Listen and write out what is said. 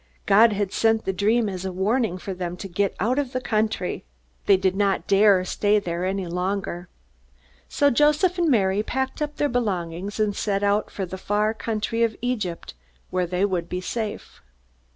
God had sent the dream as a warning for them to get out of the country. They did not dare to stay there any longer. So Joseph and Mary packed up their belongings, and set out for the far country of Egypt where they would be safe.